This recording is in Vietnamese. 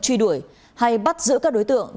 truy đuổi hay bắt giữ các đối tượng